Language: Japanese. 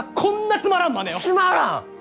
つまらん！？